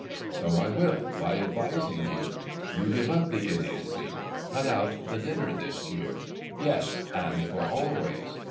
"So I will, by advising you. You give up the idiocy. Cut out the dinner this year; yes, and for always."